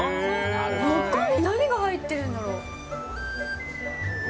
中身何が入ってるんだろう。